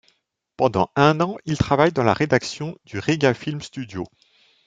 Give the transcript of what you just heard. Pendant un an, il travaille dans la rédaction de Riga Film Studio.